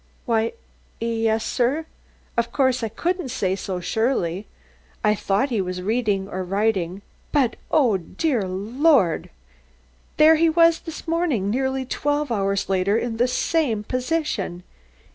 "Why, yes, sir; of course I couldn't say so surely. I thought he was reading or writing, but oh, dear Lord! there he was this morning, nearly twelve hours later, in just the same position."